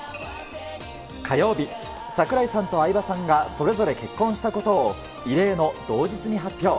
火曜日、櫻井さんと相葉さんがそれぞれ結婚したことを、異例の同日に発表。